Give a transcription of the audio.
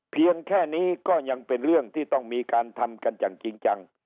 เพียงแค่นี้ก็ยังเป็นเรื่องที่ต้องมีการทำกันอย่างจริงจัง